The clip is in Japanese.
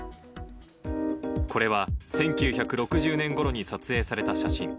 これは、１９６０年ごろに撮影された写真。